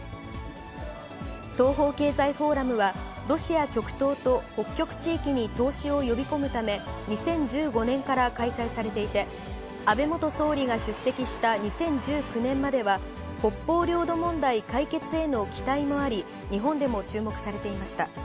東方経済フォーラムは、ロシア極東と北極地域に投資を呼び込むため、２０１５年から開催されていて、安倍元総理が出席した２０１９年までは、北方領土問題解決への期待もあり、日本でも注目されていました。